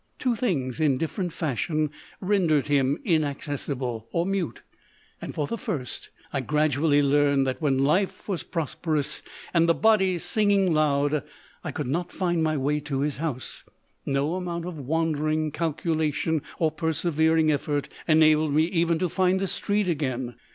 Two things, in different fashion, rendered him inaccessible, or mute ; and, for the first, I gradually learned that when life was pros perous, and the body singing loud, I could not find my way to his house. No amount of wandering, calculation, or persevering effort enabled me even to find the street again.